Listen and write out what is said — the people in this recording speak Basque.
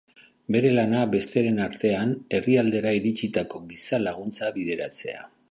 Bere lana, besteren artean, herrialdera iritsitako giza laguntza bideratzea.